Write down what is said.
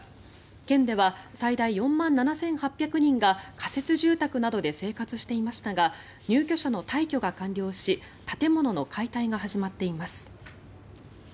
県では最大４万７８００人が仮設住宅などで生活していましたが入居者の退去が完了し建物の解体が始まっています。